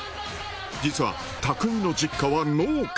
実はたくみの実家は農家。